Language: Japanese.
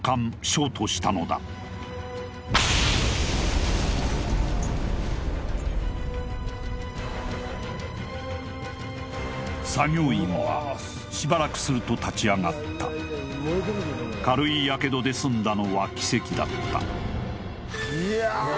ショートしたのだ作業員はしばらくすると立ち上がった軽いヤケドで済んだのは奇跡だったいや